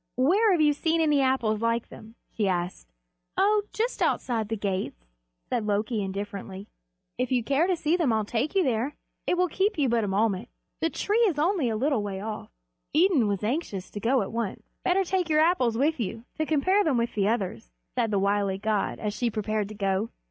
"Where have you seen any Apples like them?" she asked. "Oh, just outside the gates," said Loki indifferently. "If you care to see them I'll take you there. It will keep you but a moment. The tree is only a little way off." Idun was anxious to go at once. "Better take your Apples with you, to compare them with the others," said the wily god, as she prepared to go.